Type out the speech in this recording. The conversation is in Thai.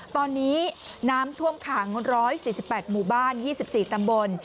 ตอนนี้น้ำท่วมขัง๑๔๘หมู่บ้าน๒๔ตำบล